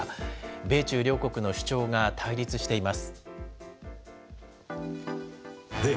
米中両国の主張が対立しています。